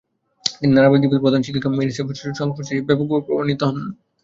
তিনি নারীবাদী প্রধানশিক্ষিকা ম্যারি সোভেস্ত্রে'র সংস্পর্শে এসে ব্যাপকভাবে প্রভাবান্বিত হন।